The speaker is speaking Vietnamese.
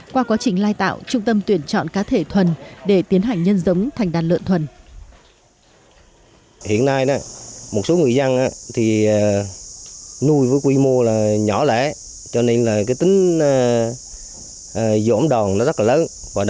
qua quá trình lai tạo trung tâm tuyển chọn cá thể thuần để tiến hành nhân giống thành đàn lợn thuần